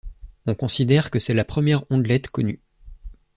On considère que c'est la première ondelette connue.